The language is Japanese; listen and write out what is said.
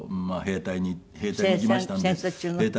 兵隊に行きましたので。